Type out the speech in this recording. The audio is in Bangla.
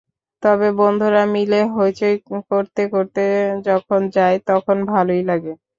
তবে বন্ধুরা মিলে হইচই করতে করতে যখন যাই, তখন ভালোই লাগে।